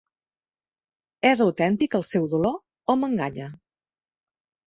És autèntic el seu dolor o m'enganya?